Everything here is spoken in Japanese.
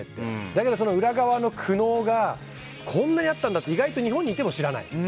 だけど、その裏側の苦悩がこんなだったんだって意外と日本にいても知らない。